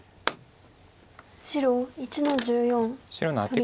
白１の十四取り。